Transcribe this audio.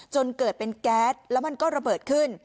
จนเกิดเป็นแก๊สแล้วมันก็ระเบิดขึ้น